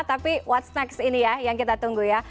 tapi what's next ini yang kita tunggu